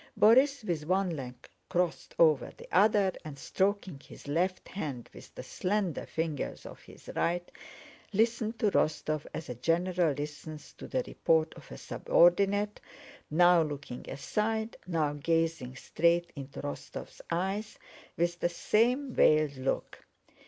Borís, with one leg crossed over the other and stroking his left hand with the slender fingers of his right, listened to Rostóv as a general listens to the report of a subordinate, now looking aside and now gazing straight into Rostóv's eyes with the same veiled look.